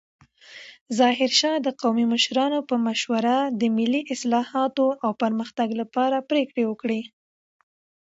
ظاهرشاه د قومي مشرانو په مشوره د ملي اصلاحاتو او پرمختګ لپاره پریکړې وکړې.